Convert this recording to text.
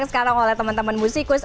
jadi sekarang oleh teman teman musikus